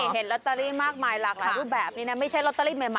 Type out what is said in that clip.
เห็นลอตเตอรี่มากมายหลากหลายรูปแบบนี้นะไม่ใช่ลอตเตอรี่ใหม่